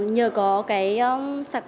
nhờ có cái sạc điện không dây tiện x này